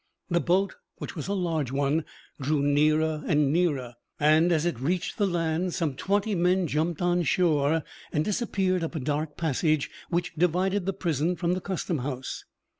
The boat, which was a large one, drew nearer and nearer, and as it reached the land some twenty men jumped on shore, and disappeared up a dark passage which divided the prison from the custom house.